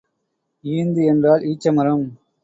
ஈந்து என்றால் ஈச்ச மரம்.